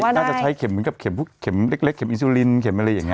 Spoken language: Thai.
น่าจะใช้เข็มเหมือนกับเข็มพวกเข็มเล็กเม็ซูลินเข็มอะไรอย่างนี้